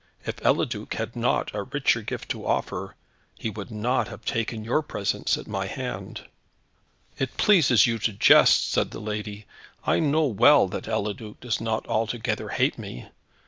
If Eliduc had not a richer gift to offer, he would not have taken your presents at my hand." "It pleases you to jest," said the lady. "I know well that Eliduc does not altogether hate me.